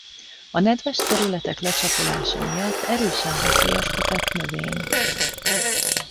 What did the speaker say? A nedves területek lecsapolása miatt erősen veszélyeztetett növény.